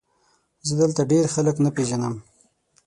زه دلته ډېر خلک نه پېژنم ؟